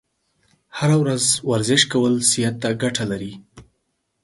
هره ورځ ورزش کول صحت ته ګټه لري.